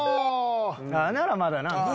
ならまだな。